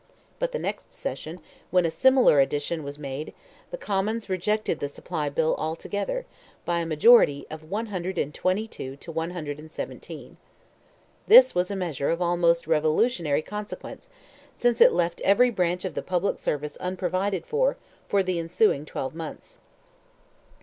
But the next session, when a similar addition was made, the Commons rejected the supply bill altogether, by a majority of 122 to 117. This was a measure of almost revolutionary consequence, since it left every branch of the public service unprovided for, for the ensuing twelve months.